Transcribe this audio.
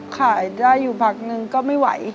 ขายได้อยู่พักนึงก็ไม่ไหว